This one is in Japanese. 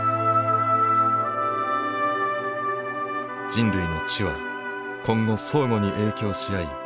人類の知は今後相互に影響し合い